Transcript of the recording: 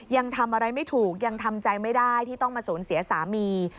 ยังทำอะไรไม่ถูกยังทำใจไม่ได้ที่ต้องมาสูญเสียสามี